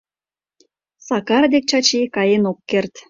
Сакар дек Чачи каен ок керт.